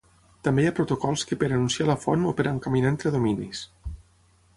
També hi ha protocols que per anunciar la font o per encaminar entre dominis.